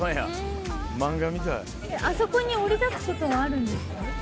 あそこに降り立つことはあるんですか？